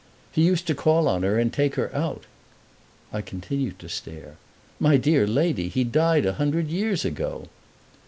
"He used to call on her and take her out." I continued to stare. "My dear lady, he died a hundred years ago!"